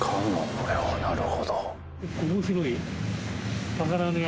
これをなるほど。